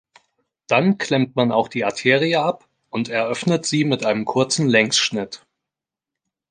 Dann klemmt man auch die Arterie ab und eröffnet sie mit einem kurzen Längsschnitt.